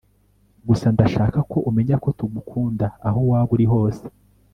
gusa ndashaka ko umenya ko tugukunda aho waba uri hose